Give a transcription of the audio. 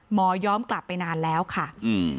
ย้อนกลับไปนานแล้วค่ะอืม